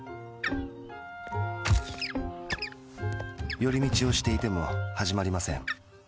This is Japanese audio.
寄り道をしていてもはじまりません。